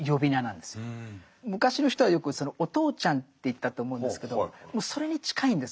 昔の人はよく「お父ちゃん」って言ったと思うんですけどそれに近いんです。